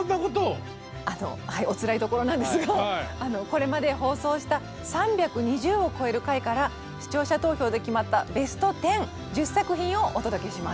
これまで放送した３２０を超える回から視聴者投票で決まったベスト１０１０作品をお届けします。